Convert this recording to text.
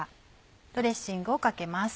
ドレッシングをかけます。